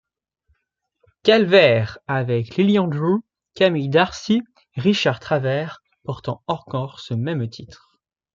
Calvert, avec Lillian Drew, Camille D'Arcy, Richard Travers, portant encore ce même titre.